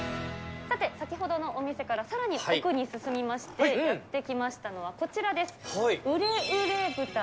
さて、先ほどのお店からさらに奥に進みまして、やって来ましたのは、こちらです。